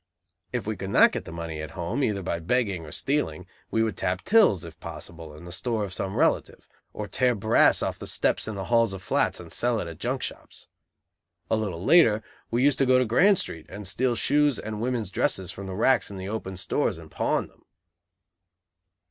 If we could not get the money at home, either by begging or stealing, we would tap tills, if possible, in the store of some relative; or tear brass off the steps in the halls of flats and sell it at junk shops. A little later, we used to go to Grand Street and steal shoes and women's dresses from the racks in the open stores, and pawn them.